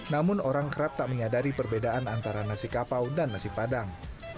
namun orang kerap tak menyadari perbedaan antara nasi kapau dan nasi padang